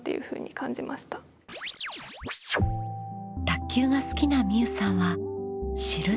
卓球が好きなみうさんは「知る」